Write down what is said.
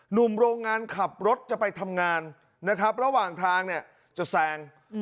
หนุ่มโรงงานขับรถจะไปทำงานนะครับระหว่างทางเนี่ยจะแซง